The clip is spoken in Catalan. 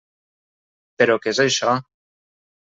Però què és això?